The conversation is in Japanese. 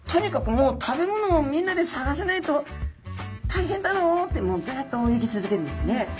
もう食べ物をみんなで探さないと大変だぞってもうずっと泳ぎ続けるんですね。